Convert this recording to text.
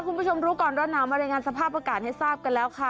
คุณผู้ชมรู้ก่อนร้อนหนาวมารายงานสภาพอากาศให้ทราบกันแล้วค่ะ